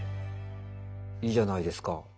いいじゃないですか。